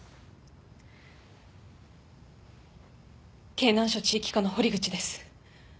京南署地域課の堀口です。